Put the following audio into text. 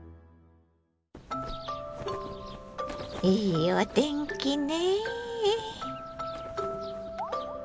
いいお天気ね。